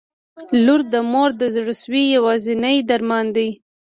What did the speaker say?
• لور د مور د زړسوي یوازینی درمان دی.